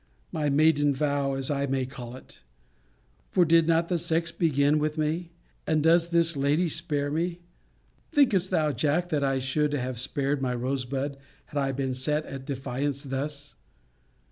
My maiden vow, as I may call it! For did not the sex begin with me? And does this lady spare me? Thinkest thou, Jack, that I should have spared my Rosebud, had I been set at defiance thus?